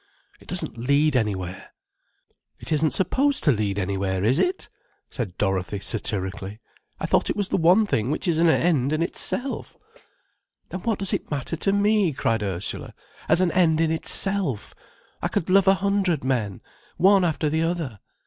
It doesn't lead anywhere." "It isn't supposed to lead anywhere, is it?" said Dorothy, satirically. "I thought it was the one thing which is an end in itself." "Then what does it matter to me?" cried Ursula. "As an end in itself, I could love a hundred men, one after the other.